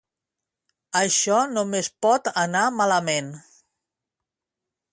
Això només pot anar malament.